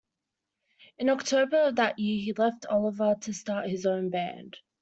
In October of that year he left Oliver to start his own band.